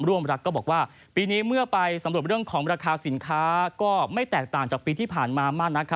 ร่วมรักก็บอกว่าปีนี้เมื่อไปสำรวจเรื่องของราคาสินค้าก็ไม่แตกต่างจากปีที่ผ่านมามากนัก